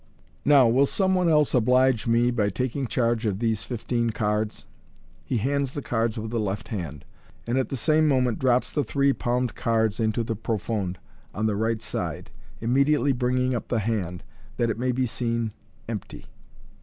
Now will some one else oblige me by taking charge o\ MODERN MAGIC S? these fifteen cards." He hands the cards with the left hand, and at the same moment drops the three palmed cards into the profonde on rhs right side, immediately bringing up the hand, that it may be seen empty.